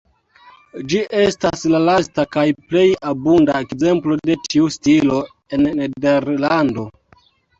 Ĝi estas la lasta kaj plej abunda ekzemplo de tiu stilo en Nederlando.